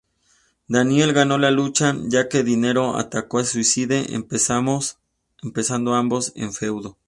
Daniels ganó la lucha, ya que Dinero atacó a Suicide, empezando ambos un feudo.